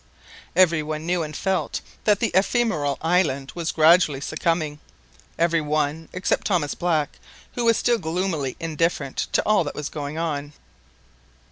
Every one knew and felt that the ephemeral inland was gradually succumbing—every one, except perhaps Thomas Black, who was still gloomily indifferent to all that was going on.